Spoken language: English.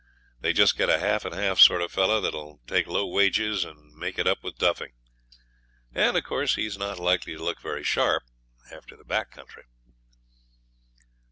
They just get a half and half sort of fellow that'll take low wages and make it up with duffing, and of course he's not likely to look very sharp after the back country.'